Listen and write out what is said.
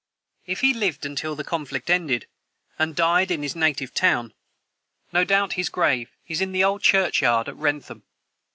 If he lived until the conflict ended, and died in his native town, no doubt his grave is in the old churchyard at Wrentham.